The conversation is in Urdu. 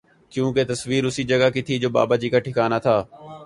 کیوں کہ تصویر اسی جگہ کی تھی جو باباجی کا ٹھکانہ تھا